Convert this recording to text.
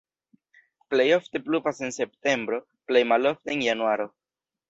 Plej ofte pluvas en septembro, plej malofte en januaro.